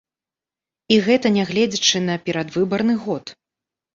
І гэта нягледзячы на перадвыбарны год.